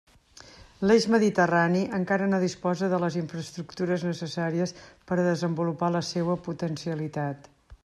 L'eix mediterrani encara no disposa de les infraestructures necessàries per a desenvolupar la seua potencialitat.